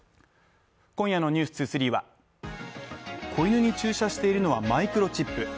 今夜の「ｎｅｗｓ２３」は子犬に注射しているのはマイクロチップ。